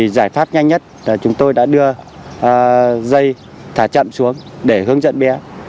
giải pháp nhanh nhất là chúng tôi đã đưa dây thả chậm xuống để hướng dẫn bé